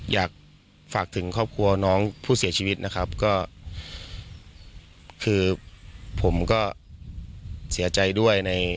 อยากฝากถึงครอบครัวน้องผู้เสียชีวิตนะครับก็คือผมก็เสียใจด้วยใน